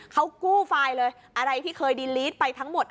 เขากู้ไฟล์เลยอะไรที่เคยดีลีดไปทั้งหมด